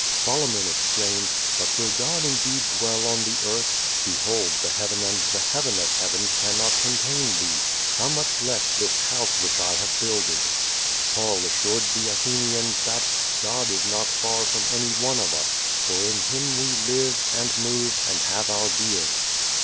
Solomon exclaimed, "But will God indeed dwell on the earth? behold the heaven and the heaven of heavens cannot contain thee: how much less this house which I have builded." Paul assured the Athenians that "God is not far from any one of us: for in him we live, and move, and have our being."